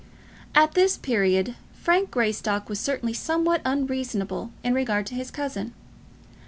At this period Frank Greystock was certainly somewhat unreasonable in regard to his cousin.